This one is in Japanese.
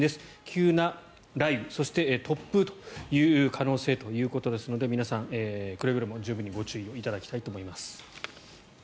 急な雷雨そして突風という可能性ということですので皆さん、くれぐれも十分にご注意いただきたいと思います。